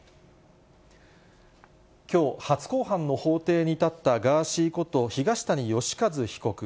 きょう、初公判の法廷に立ったガーシーこと東谷義和被告。